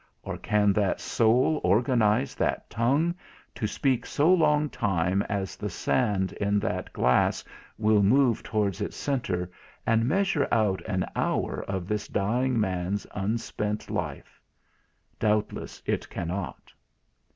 or, can that soul organise that tongue, to speak so long time as the sand in that glass will move towards its centre, and measure out an hour of this dying man's unspent life? Doubtless it cannot."